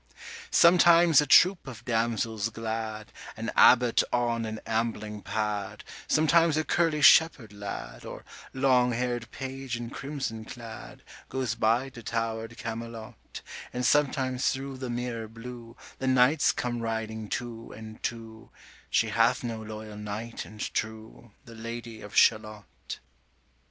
Sometimes a troop of damsels glad, 55 An abbot on an ambling pad, Sometimes a curly shepherd lad, Or long hair'd page in crimson clad, Goes by to tower'd Camelot; And sometimes thro' the mirror blue 60 The knights come riding two and two: She hath no loyal knight and true, The Lady of Shalott.